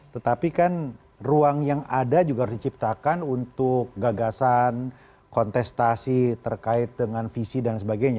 tetapi kan ruang yang ada juga harus diciptakan untuk gagasan kontestasi terkait dengan visi dan sebagainya